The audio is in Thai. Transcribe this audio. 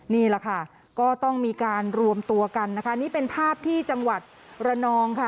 นี่แหละค่ะก็ต้องมีการรวมตัวกันนะคะนี่เป็นภาพที่จังหวัดระนองค่ะ